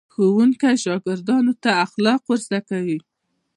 ښوونکي شاګردانو ته اخلاق ور زده کوي.